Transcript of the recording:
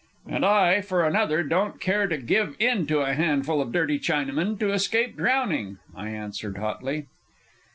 "And I, for another, don't care to give in to a handful of dirty Chinamen to escape drowning," I answered hotly.